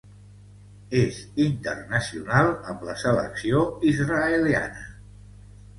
És internacional amb la selecció israeliana.